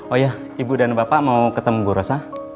oh iya ibu dan bapak mau ketemu bu rosa